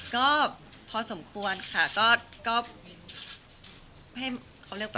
ก็พอสมควรค่ะก็ให้เขาเรียกว่า